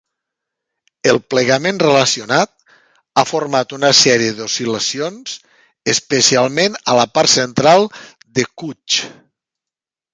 El plegament relacionat ha format una sèrie d'oscil·lacions, especialment a la part central de Kutch.